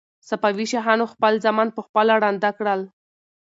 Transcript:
صفوي شاهانو خپل زامن په خپله ړانده کړل.